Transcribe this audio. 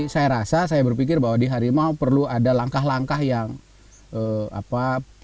saya rasa saya berpikir bahwa di harimau perlu ada langkah langkah yang apa